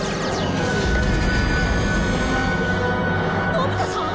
のび太さん！？